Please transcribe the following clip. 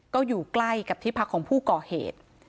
ก็อยู่ใกล้กับที่พักของผู้ก่อเหตุ